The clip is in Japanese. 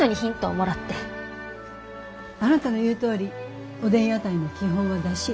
あなたの言うとおりおでん屋台の基本は出汁。